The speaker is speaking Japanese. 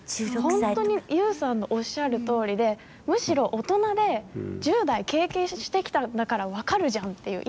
本当にＹＯＵさんのおっしゃるとおりでむしろ大人で１０代経験してきたんだから分かるじゃんという。